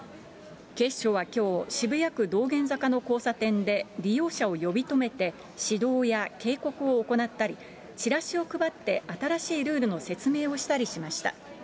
警視庁はきょう、渋谷区道玄坂の交差点で利用者を呼び止めて、指導や警告を行ったり、チラシを配って新しいルールの説明をしたりしました。